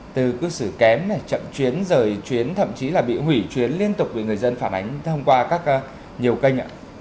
từ xử kém này chậm chuyến rời chuyến thậm chí là bị hủy chuyến liên tục bị người dân phản ánh thông qua các nhiều kênh ạ